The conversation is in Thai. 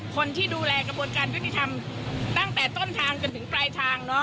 คนที่ดูแลกระบวนการยุติธรรมตั้งแต่ต้นทางจนถึงปลายทาง